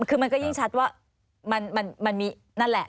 คือมันก็ยิ่งชัดว่ามันมีนั่นแหละ